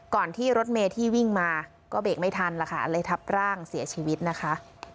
ที่รถเมย์ที่วิ่งมาก็เบรกไม่ทันล่ะค่ะเลยทับร่างเสียชีวิตนะคะ